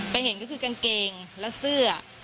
เห็นก็คือกางเกงและเสื้อ